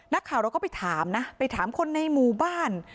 นักข่าวเราก็ไปถามนะไปถามคนในหมู่บ้าน